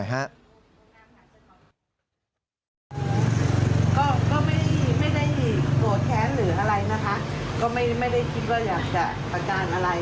ก็ไม่ได้โกรธแค้นหรืออะไรนะคะก็ไม่ได้คิดว่าอยากจะประจานอะไร